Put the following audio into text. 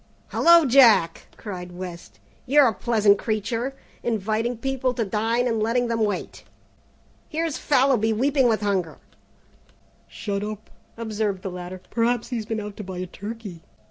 "Hello, Jack!" cried West, "you're a pleasant creature, inviting people to dine and letting them wait. Here's Fallowby weeping with hunger " "Shut up," observed the latter, "perhaps he's been out to buy a turkey."